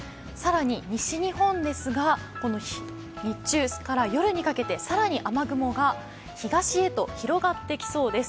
西日本ですが、日中から夜にかけて更に雨雲が東へと広がってきそうです。